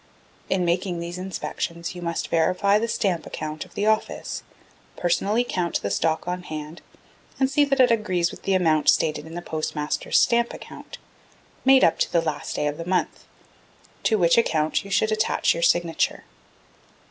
In making these inspections you must verify the Stamp Account of the office personally count the stock on hand, and see that it agrees with the amount stated in the Postmasters' Stamp Account, made up to the last day of the month, to which account you should attach your signature.